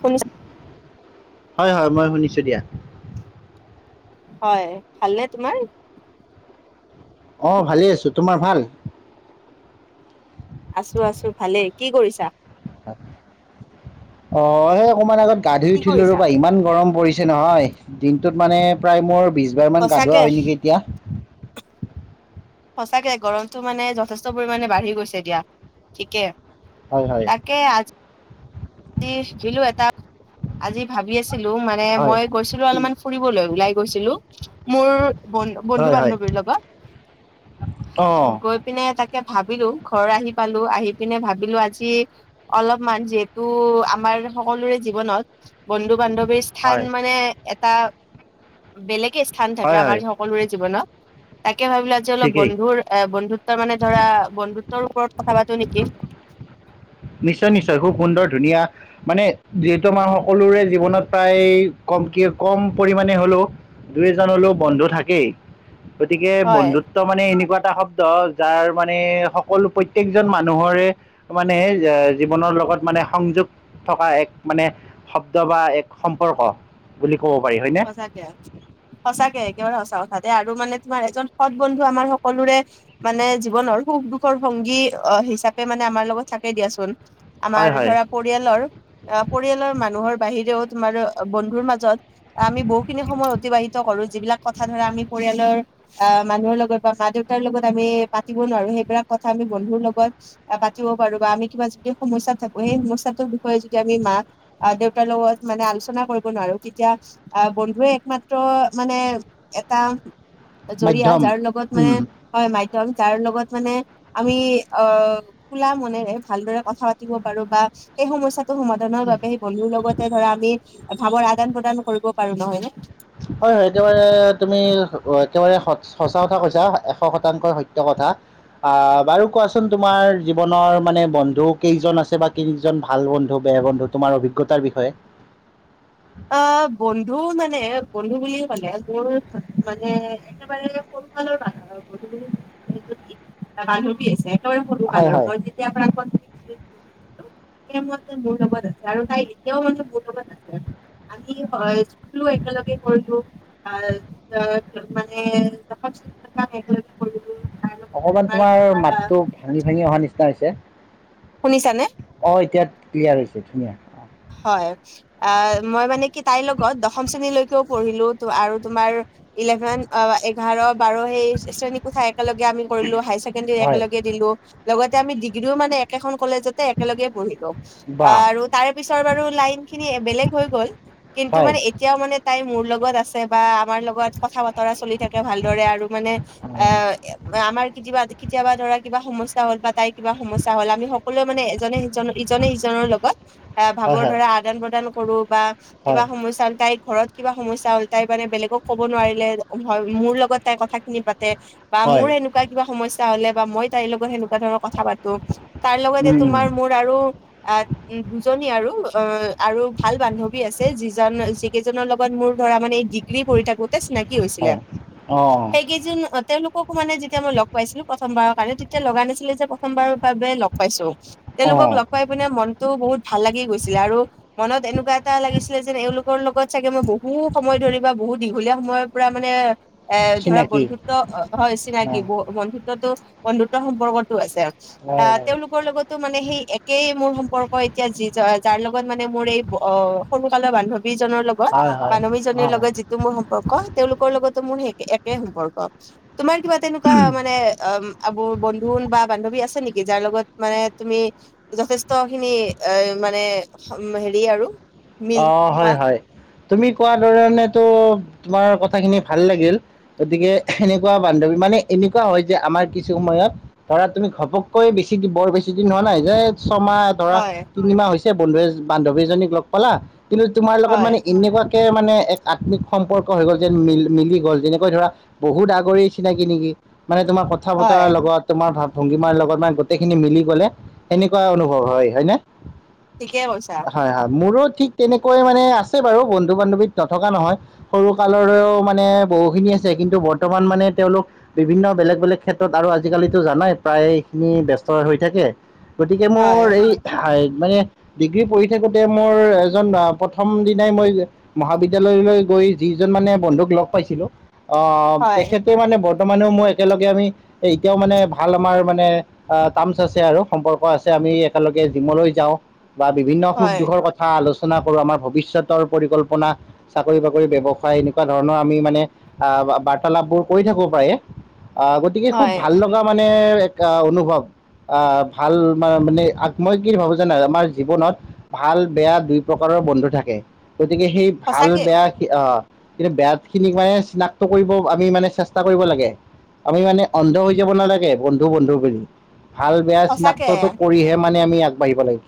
সোনি হয়, হয় মই শুনিছো দিয়া। হয় ভালনে তোমাৰ। আহ ভালে আছো তোমাৰ ভাল। আছো, আছো ভালে কি কৰিছা। অ, সেই অকমান আগত গা ধুই কি উঠিলো কৰিছা ৰবা ইমান গৰম পৰিছ নহয় দিনটোত মানে প্ৰায় মোৰ বিশ বাৰ মান গা ধুৱা সঁচাকে হয় নেকি এতিয়া। সঁচাকে গৰমতটো মানে যথেষ্ট পৰিমণে বাঢ়ি গৈছে এতিয়া ঠিকে। হয় হয় তাকে আজি খিলো এটা আজি ভাবি আছিলো মানে হয় মই গৈছিলো অলপমান ফুৰিবলৈ ওলাই গৈছিলো মোৰ বন্ধু হয় হয় বান্ধীৱৰ লগত। অঁ গৈ পিনে তাকে ভাবিলো ঘৰ আহি পালো আহি যেনে ভাবিলো আজি অলপমান যিহেতু আমাৰ সকলোৰে জীৱনত বন্ধু বান্ধৱীৰ স্থান হয় মানে এটা বেলেগ স্থান থাকে হয় আমাৰ হয় যে সকলোৰে জীৱনত তাকে ভাবিলো আজি অলপ ঠিকেই বন্ধুৰ বন্ধুত্ব মানে ধৰা বন্ধুত্বৰ ওপৰত কথা পাতো নেকি। নিশ্চয় নিশ্চয় খুব সুন্দৰ ধুনীয়া মানে যিহেতু আমাৰ সকলোৰে জীৱনত প্ৰায় ক ম কি কম পৰিমণে হলেও দুই এজন হলেও বন্ধু থাকেই। গতিকে হয় বন্ধুত্ব মানে এনেকুৱা এটা শব্দ যাৰ মানে সকলো প্ৰত্যেকজন মানুহৰে মানে ওহ জীৱনৰ লগত মানে সংযোগ থকা এক মানে শব্দ বা এক সম্পৰ্ক বুলি ক'ব পাৰি হয়নে সঁচাকে সঁচাকে একেবাৰে সঁচা কথা। আৰু মানে তোমাৰ এজন সৎ বন্ধু আমাৰ সকলোৰে মানে জীৱনৰ সুখ দুখৰ ভংগী অ' হিচাপে মানে আমাৰ লগত থাকে দিয়াচোন। আমাৰ হয় হয় ধৰা পৰিয়ালৰ আহ পৰিয়ালৰ মানুহৰ বাহিৰেও তোমাৰো বন্ধুৰ মাজত আমি বহুখিনি সময় অতিবাহিত কৰো যিবিলাক কথা ধৰা আমি পৰিয়ালৰ অ' মানুহৰ লগত বা মা দেউতাক লগত আমি পাতিব নোৱাৰো সেইবিলাক কথা আমি বন্ধুৰ লগত পাতিব পাৰো বা আমি কিবা যদি সমস্যা থাকো সেই সমস্যাতটো যদি আমি মাক আহ দেউতাৰ লগত মানে আলোচনা কৰিব নোৱাৰো তেতিয়া আহ বন্ধুৱে একমাত্ৰ মানে এটা জৰিয়া মাধ্যম যাৰ লগত মানে উম, হয় মাই একদম যাৰ লগত মানে আমি অ খোলা মনেৰে ভালদৰে কথা পাতিব পাৰো বা এই সমস্যা সমাধানৰ বাবে সেই বন্ধুৰ লগতে ধৰা আমি ভাৱৰ আদান প্ৰদান কৰিব পাৰো নহয় নে। হয় হয় একেবাৰে তুমি একেবাৰে সচ সঁচা কথা কৈছা এশ শতাংকই সত্য কথ কথা। আ বাৰু কোৱাচোন তোমাৰ জীৱনৰ মানে বন্ধু কেইজন আছে বা কেইজন ভাল বন্ধু অ' বন্ধু তোমাৰ অভিজ্ঞতাৰ বিষয়ে। আহ বন্ধু মানে বন্ধু বুলি কলে মোৰ মানে একেবাৰে সৰুকালৰ বন্ধু বন্ধু বুলি বান্ধৱী আছে একেবাৰে সৰু হয় কালৰ হয় মই যেতিয়াৰ পৰা ক মোৰ লগত আছে আৰু তাই এতিয়াও মানে মোৰ লগত আছে। আমি হয় স্কুলো একেলগে কৰিলো আহ আ মানে একেলগে কৰিলোঁ। অকমান তোমাৰ মাতটো ভাঙি ভাঙি অহা নিচিনা হৈছে। শুনিছানে? অ' এতিয়া ক্লিয়াৰ হৈছে ধুনীয়া। হয় আহ মই মানে কি তাইৰ লগত দশম শ্ৰেণীলৈকেও পঢ়িলো তো আৰু তোমাৰ ইলেভেন অ' এঘাৰ বাৰ সেই শ্ৰেণী কোঠাই একেলগে আমি কৰিলো হাই ছেকেণ্ডাৰী হয় একেলগে দিলো লগতে আমি ডিগ্ৰীও মানে একেখন কলেজতে একেলগে পঢ়িলো বা আহ আৰু তাৰ পিছৰ বাৰু লাইন খিনি বেলেগ হৈ গ'ল কিন্তু হয় মানে এতিয়া মানে তাই মোৰ লগত আছে বা আমাৰ লগত কথা তৰা চলি থাকে ভালদৰে আৰু মানে অ এ আমাৰ কেতিয়াবা কেতিয়াবা ধৰা কিবা সমস্যা হল বা তাইৰ কিবা সমস্যা হ'ল আমি সকলোৱে মানে এজনে সিজন ইজনে সিজনৰ লগত এ, হয় ভাৱৰ হয় ধৰা আদান প্ৰদান কৰবো বা হয় কিবা সমস্যা তাই ঘৰত কিবা সমস্যা হ'ল তাই মানে বেলেগক ক'ব নোৱাৰি, লে মোৰ লগত তাই কথাখিনি পা তে বা হয় মোৰ হেনেকুৱা কিবা সমস্যা হ'লে বা মই তাইৰ লগত সেনো [unintelligible] কথা পাতো, তাৰ লগতে উম উম, তোমাৰ মোৰ আৰু [unintelligible] কি আৰু অ, আৰু ভাল বান্ধৱী আছে যিজন, যিকেইজনৰ লগত মোৰ ধৰা মানে দি ৰি পঢ়ি থাকোঁতে চিনাকি হৈছিলে। হয় অ সেইকেইজন অ, তেওঁলোককো মানে যেতিয়া মই লগ পাইছিলোঁ প্ৰথমবাৰ আৰে তেতিয়া লগা নাছিলে যে প্ৰথমবাৰৰ বাবে লগ পাইছোঁ। অ তেওঁলোকক লগ পাই পিনে মনতো বহুত ভাল লাগি গৈছিলে আৰু, মনত এনেকুৱা এটা লাগিছিলে যেন এওঁলোকৰ লগত চাগে মই বহু সময় ধৰি বা বহু বহু দীঘলীয়া সময়ৰ পৰা মানে এ ধৰা চিনাকি বন্ধুত্ব, হয় অ চিনাকি বন্ধুত্বতো, বন্ধুত্ব সম্পৰ্কত টোআছে। হয় আহ তেওঁলোকৰ লগতো মানে সেই একেই মোৰ সম্পৰ্ক এতিয়া যি, যাৰ লগত মানে মোৰ এই অ', সৰুকালৰ বান্ধ বী জনৰ লগত, হয় হয় হয় বান্ধৱীজনীৰ অ লগত যিটো মোৰ সম্পৰ্ক তেওঁলোকৰ লগতো মোৰ সেই একে সম্পৰ্ক। তোমাৰ কিবা তেনেকুৱা মানে অ' আবুৰ, বন্ধুন বা বান্ধৱী আছে নেকি? যাৰ লগত মানে তুমি, যথেষ্ট খিনি এ মানে সম, হেৰি আৰু মিল অ', হয়, খোৱা হয়। তুমি কোৱা ধৰণেতো তোমাৰ কথাখিনি ভাল লাগিল, গতিকে সেনেকুৱা বান্ধৱী মা মানে এনেকুৱা হয় যে আমাৰ কিছু সময়ত, ধৰা তুমি ঘপককৈ বেছি [unintelligible] বৰ বেছি দিন হোৱা নাই যে ছমাহ ধৰা হয় তিনিমাহ হৈছে বন্ধুএজ বান্ধৱীজনীক লগ পালা। কিন্তু তোমাৰ লগত হয় মানে এনেকোৱাকে মানে এক আত্মিক সম্পৰ্ক হৈ গ'ল যেন মিল-মিলি গ'ল যেনেকৈ ধৰা, বহুত আগৰি চিনাকি নেকি। মানে তোমাৰ কথা-বতৰা হয় লগত তোমাৰ ভাব ভংগীমাৰ লগত গোটেইখিনি মিলি গ'লে সেনেকুৱা অনুভৱ হয়, হয় নে? ঠিকে কৈছা। মোৰো ঠিক তেনেকৈ মানে আছে বাৰু বন্ধু-বান্ধৱীত নথকা নহয়, সৰু কালৰেও মানে বহু বখিনি আছে, কিন্তু বৰ্তমান মানে তেওঁলোক বিভিন্ন বেলেগ বেলেগ ক্ষেত্ৰত আৰু আজিকালিটো জানাই প্ৰায়খিনি খিনি ব্যস্ত হৈ থাকে, গতিকে হয় মোৰ এই [unintelligible] মানে ডিগ্ৰী পঢ়ি থাকো তে মোৰ এজন অ, প্ৰথম দিনাই মই মহাবিদ্যালয়লৈ গৈ যিজন মানে বন্ধুক লগ পাইছিলোঁ। আ, হয় তেখেতে মানে বট বৰ্তমানেও, মই একেলগে আমি এই এতিয়াও মানে ভাল আমাৰ মানে টাৰ্মছ আছে আৰু সম্পৰ্ক আছে। আমি একেলগে জিমলৈ যাওঁ বা বিভিন্ন হয় সুখ-দুখৰ কথা আলোচ চনা কৰোঁ। আমাৰ ভৱিষ্যতৰ পৰিকল্পনা, চাকৰি-বাকৰি ব্যৱসায় এনেকুৱা ধৰণৰ আমি মানে আ বাৰ্তালাপবোৰ কৰি থাক', পাৰে, গতিকে খুব হয় ভাল লগা মা মানে এক অনুভৱ আহ, ভাল মা মানে আ, মই কি ভাবো জানা আমাৰ জীৱনত ভাল বেয়া দুই প্ৰকাৰৰ বন্ধু থাকে। গতিকে সেই ভাল সঁচাকে বেয়া [unintelligible] এতিয়া বেয়াখিনি হোৱাএ চিনাক্ত কৰিব, আমি মানে চেষ্টা কৰিব লাগে। আমি মানে অন্ধ হৈ যাব নালাগে, বন্ধু বন্ধু বুলি। ভাল-বেয়া সঁচাকে চিনাক্ততটো কৰিহে মানে আমি আগবাঢ়িব লাগিব।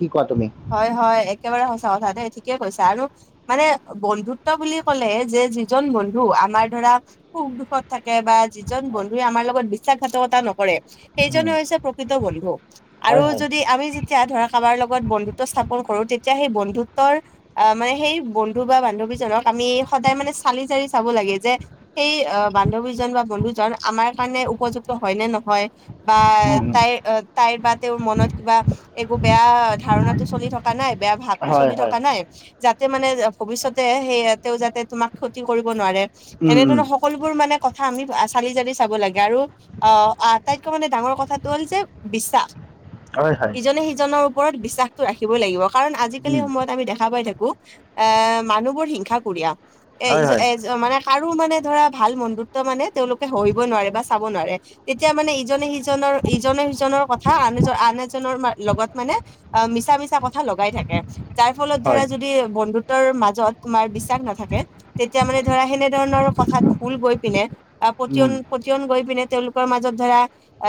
হয়, হয়। এক একেবাৰে সঁচা কথা দে, ঠিকেই কৈছা। আৰু, মানে বন্ধুত্ব বুলি ক'লে যে যিজন বন্ধু আ আমাৰ ধৰা, সুখ-দুখত থাকে বা যিজন হয় বন্ধুৱে আমাৰ লগত বিশ্বাসঘাতকতা নকৰে। আ সেইজনে উম, হৈছে প্ৰকৃত বন্ধু, আৰু হয় হয় যদি আমি যেতিয়া ধৰা কাবাৰ লগত বন্ধু চাপৰ কৰোঁ। তেতিয়া সেই বন্ধুত্বৰ মানে সেই বন্ধু বা বান্ধৱীজনক আমি সদায় মানে চা চালি-জাৰি চাব লাগে যে, সেই অ বান্ধৱীজন বা বন্ধুজন আমাৰ কাৰণে উপযুক্ত হয় নে নহয়। বা উম, উম, তাই [unintelligible] তাইৰ বা তেওঁৰ মনত কিবা একো বেয়া ধাৰণা টো চলি থকা নাই, বেয়া ভাৱটো হয় চলি হয় থকা নাই। যা তে মানে ভৱিষ্যতে সেই যাতে তোমাক ক্ষতি কৰিব নোৱাৰে। উম, এনে উম, ধৰণৰ সকলোবোৰ মানে ক [unintelligible] চাব লাগে আৰু অ' আটাইতকৈ মানে ডাঙৰ কথাটো হ'ল যে বিশাস। হয় হয় ইজনে সিজনৰ ওপৰত বিশ্বাসটো ৰাখিবই লাগিব কাৰণ আজিকালি উম, সময়ত আমি দেখা পাই থাক [unintelligible] এ মানুহবোৰ হিংসা কুৰিয়া, হয় হয় [unintelligible] মানে কাৰো মানে ধৰা ভাল বন্ধুত্ব মানে তেওঁলোকে সহিব নোৱাৰে বা চাব নোৱাৰে। তেতিয়া মানে ইজনে সিজনৰ ইজনে সিজনৰ কথা আন আন এজনৰ লগত মানে অ' মিছা মিছা কথা লগাই থাকে যাৰ ফলত ধৰা হয় যদি বন্ধুত্বৰ মাজত তোমাৰ বিশ্বাস নাথাকে তেতিয়া মানে ধৰা সেনেধৰণৰ কথাত ভুল গৈ পিনে অ' উম, পটিয়ন [unintelligible] গৈ পিনে তেওঁলোকৰ মাজত ধৰা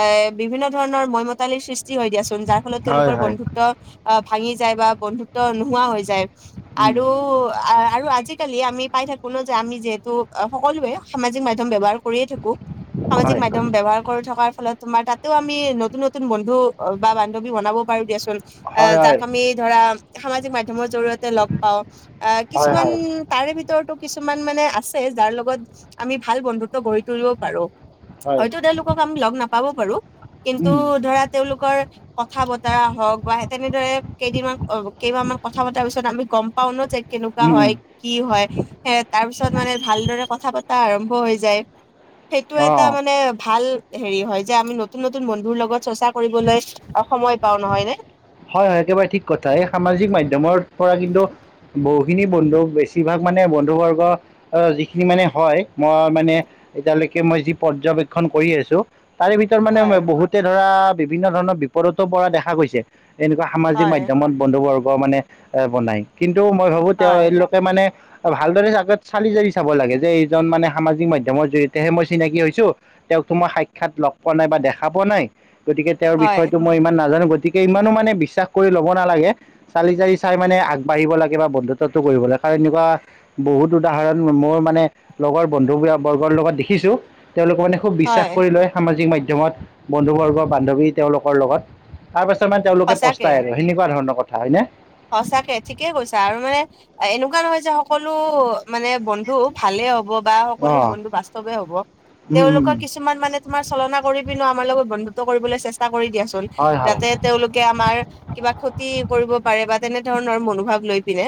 এ বিভিন্ন ধৰণৰ ময়মতালিৰ সৃষ্টি হয় দিয়াচোন যাৰ ফলত হয় তেওঁলোকৰ হয় বন্ধু অ' ভাঙি যায় বা বন্ধুত্ব নোহোৱা হৈ যায় উম, আৰু আৰু আ আজিকালি আমি পাই থাকো ন' যে আমি যিহেতু সকলোৱে সামাজিক মাধ্যম ব্যৱহাৰ কৰিয়ে থাকো, সামাজিক হয় হয় মাধ্যম ব্যৱহাৰ কৰি থকাৰ ফলত তোমাৰ তাতেও আমি নতুন নতুন বন্ধু বা বান্ধৱী বনাব পাৰো দিয়াচোন। অ' যাক হয় আমি ধৰা সামাজিক মাধ [unintelligible] জৰিয়তে লগ পাওঁ, অ' হয় কিছুমান হয় তাৰে ভিতৰতো কিছুমান মানে আছে যাৰ লগত আমি ভাল বন্ধুত্ব গঢ়ি তুলিব পাৰো। হয় হয়তো তেওঁলোকক আমি লগ নাপাব পাৰো। কিন্তু উম, ধৰা তেওঁলোকৰ কথা বতৰা হওঁক তেনেদৰে কেইদিনমান কেইমাহ মান কথা পতাৰ পিছত আমি গ'ম পাওঁ ন' যে কেনেকুৱা উম, হয় উম, কি হয় এ তাৰ পিছত মানে ভালদৰে কথা পতা আৰম্ভ হৈ যায়। সেইটো এটা অ মানে ভাল হেৰি হয় যে আমি নতুন নতুন বন্ধুৰ লগত চৰ্চা কৰিবলৈ অ' সময় পাওঁ নহয়নে? হয় হয় একেবাৰে ঠিক কথা এই সামাজিক মাধ্যমৰ পৰা কিন্তু বহুখিনি বন্ধু বেছিভাগ মানে বন্ধু বৰ্গ অ' যিখিনি মানে হয় মই মানে এতিয়ালৈকে মই যি পৰ্যবেক্ষন কৰি আছোঁ। তাৰে ভিতৰত মানে হয় বহুতে ধৰা বিভিন্ন ধৰণৰ বিপদতো পৰা দেখা গৈছে। এনেকুৱা সামাজিক হয় মাধ্যমত বন্ধুবৰ্গ মানে বনাই কিন [unintelligible] মই ভাবোঁ হয় তেওঁলোকে মানে ভালদৰে আগত চালি জাৰি চাব লাগে যে এইজন মানে সামাজিক মাধ্যমৰ জৰিয়তেহে মই চিনাকি হৈছোঁ, তেওঁ মই সাক্ষাৎ লগ পোৱা নাই বা দেখা পোৱা নাই, গতিকে তেওঁৰ হয় বিষয়টো মই ইমান নাজানো গ [unintelligible] ইমানো মানে বিশ্বাস কৰি ল'ব নালাগে চালি জাৰি চাই মানে আগবঢ়িব লাগে বা বন্ধুত্বটো কৰিব লাগে কাৰণ তেনেকুৱা বহুত উদাহৰণ মোৰ মানে লগৰ বন্ধু বৰ্গৰ লগত দেখিছোঁ। তেওঁলোকে মানে খুব বিশ্বাস হয় কৰি লয় সামাজিক মাধ্যমত বন্ধুবৰ্গ বান্ধৱী তেওঁলোকৰ লগত। তাৰ পাছত মানে তেওঁলোকে সঁচাকে পস্তাই আৰু সেনেকুৱা ধৰণৰ কথা হয় নে? সঁচাকে ঠিকে কৈছা আৰু মানে এনেকুৱা নহয় যে সকলো মানে বন্ধু ভালে হ'ব বা অ সকলো বন্ধু বাস্তৱে হ'ব, তেওঁলোকৰ কিছুমান মানে তোমাৰ চলনা কৰি পিনে আমাৰ লগত বন্ধু কৰিবলৈ চেষ্টা কৰে দিয়াচোন হয় হয় যাতে তেওঁলোকে আমাৰ কিবা ক্ষতি কৰিব পাৰে বা তেনেধৰণৰ মনোভাৱ লৈ পিনে,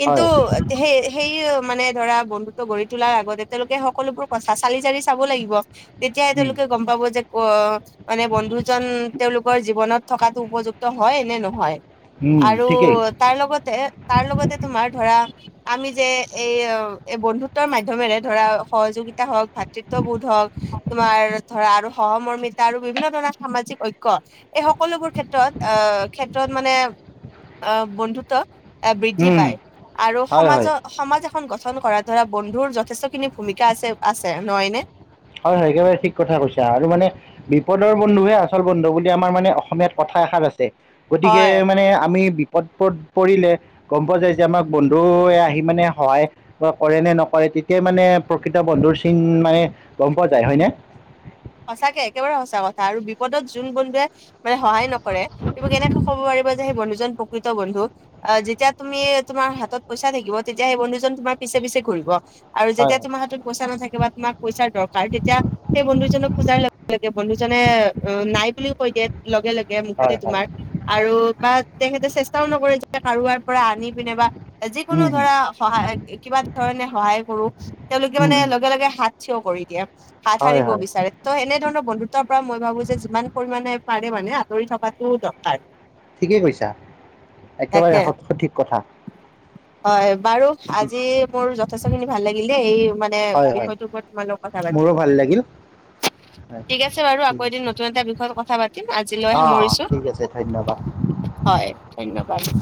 কিন্তু হয় সেই সেই মানে ধৰা বন্ধুত্ব গঢ়ি তোলাৰ আগতে তেওঁলোকে সকলোবোৰ কথা চালি জাৰি চাব লাগিব। তেতিয়া উম তেওঁলোকে গ'ম পাব যে [unintelligible] মানে বন্ধুজন তেওঁলোকৰ জীৱনত থকাতো উপযুক্ত হয় নে নহয়। উম আৰু ঠিকেই তাৰ লগতে তাৰ লগতে তোমাৰ ধৰা আমি যে এই এই বন্ধুত্বৰ মাধ্যমেৰে ধৰা সহযোগিত হওঁক ভাতৃত্ববোধ হওঁক তোমাৰ ধৰা আৰু সহমৰ্মিতা আৰু বিভিন্ন ধৰণৰ সামাজিক ঐক্য এই সকলোবোৰ ক্ষেত্ৰত অ' ক্ষেত্ৰত মানে অ' বন্ধুত্ব বৃদ্ধি উম পায় আৰু হয় হয় সমাজ সমাজ গঠন কৰাত ধৰা বন্ধুৰ যথেষ্টখিনি ভূমিকা আছে আছে নহয়নে? হয় হয় একেবাৰে ঠিক কথা কৈছা আৰু মানে বিপদৰ বন্ধুহে আচল বন্ধু বুলি আমাৰ মানে অসমীয়াত কথা এষাৰ আছ [unintelligible] গতিকে হয় মানে আমি বি প-প-পৰিলে গ'ম পোৱা যায় যে আমাক বন্ধুৱে আহি মানে সহায় কৰে নে নকৰে তেতিয়াই মানে প্ৰকৃত বন্ধুৰ চিন মানে গম পোৱা যায় হয়নে? সঁচাকে, একেবাৰে সঁচা কথা আৰু বিপদত যোন বন্ধুৱে মানে সহায় নকৰে, তুমি কেনেকে ক'ব পাৰিব যে সেই বন্ধুজন প্ৰকৃত বন্ধু, আহ যেতিয়া তুমি তোমাৰ হাতত পইচা থাকিব তেতিয়া সেই বন্ধুজন তোমাৰ পিছে পিছে ঘূৰিব। আৰু হয় যেতিয়া তোমাৰ হাতত পইচা নাথাকে বা তোমাক পইচাৰ দৰকাৰ, তেতিয়া সেই বন্ধুজনক [unintelligible] বন্ধুজনে অ নাই বুলিও কৈ দিয়ে। লগে লগে মুখতে হয় হয় তোমাৰ আৰু বা তেখেতে চেষ্টাও নকৰে যে কাৰোবাৰ পৰা আনি পিনে বা যিকোনো উম, উম, হুম ধৰা সহায় কিবা ধৰণে সহায় কৰো, তেওঁলোকে উম, মানে উম। লগে লগে হাত থিয় কৰি দিয়া, হাত হয় সাৰিব হয় বিচাৰে। ত' সেনেধৰণৰ বন্ধুত্বৰ পৰা মই ভাবো যে যিমান পৰিমাণে পাৰে মানে আঁতৰি থকাটো দৰকাৰ। ঠিকেই কৈছা, তাকে একেবাৰে সঠ সঠিক কথা। হয়। বাৰু, আজি মোৰ যথেষ্টখিনি ভাল লাগিল দেই, এই মানে হয় হয় বিষয়টোৰ ওপৰত তোমাৰ লগত কথা পাতি। [unintelligible] হয় ঠিক আছে বাৰু, ঠিক আকৌ এদিন আছে নতুন এটা বিষয়ত কথা পাতিম। আজিলৈ অ সামৰিছোঁ। ঠিক আছে ধন্যবাদ হয় ধন্যবাদ।